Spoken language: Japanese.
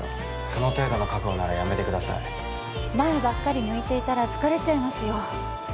その程度の覚悟ならやめてください前ばっかり向いていたら疲れちゃいますよ